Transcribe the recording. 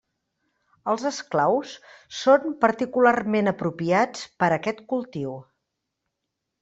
Els esclaus són particularment apropiats per a aquest cultiu.